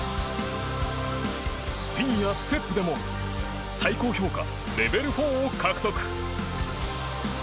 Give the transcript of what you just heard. スピンやステップでも最高評価レベル４を獲得。